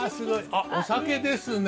あっお酒ですね。